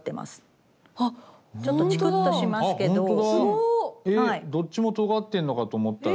ほんとだ！へどっちもとがってんのかと思ったら。